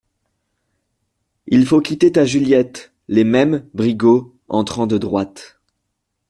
Il faut quitter ta Juliette" Les Mêmes, Brigot, entrant de droite.